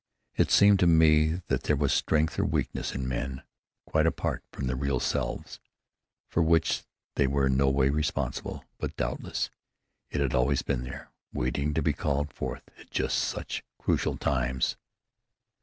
It seemed to me that there was strength or weakness in men, quite apart from their real selves, for which they were in no way responsible; but doubtless it had always been there, waiting to be called forth at just such crucial times.